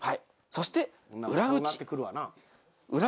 そして裏口。